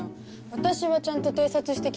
私はちゃんと偵察してきたもん